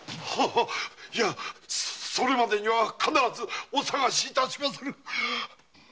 いやそれまでには必ずお捜し致しまする。